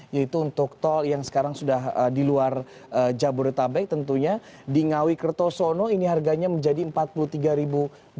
yaitu untuk tol yang sekarang sudah di luar jabodetabek tentunya di ngawi kertosono ini harganya menjadi rp empat puluh tiga